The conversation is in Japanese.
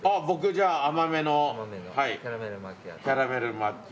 僕じゃあ。